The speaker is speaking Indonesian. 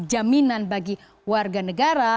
jaminan bagi warga negara